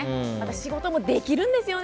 仕事もできるんですよね